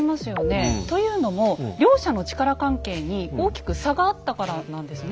というのも両者の力関係に大きく差があったからなんですね。